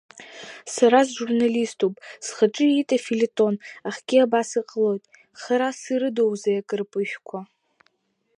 Сара сжурналиступ, схаҿы иит афелетон, ахгьы абас иҟалоит Харас ирыдузеи акырпыжәқәа?!